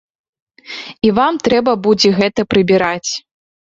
І вам трэба будзе гэта прыбіраць.